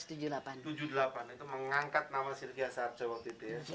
itu mengangkat nama sylvia sarcho waktu itu ya